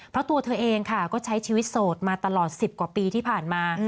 เพราะตัวเธอเองค่ะก็ใช้ชีวิตโสดมาตลอด๑๐กว่าปีที่ผ่านมา